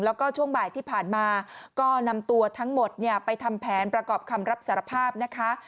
แล้วก็ช่วงบ่ายที่ผ่านมาก็นำตัวทั้งหมดเนี่ยไปทำแผนประกอบคำรับสารภาพนะคะ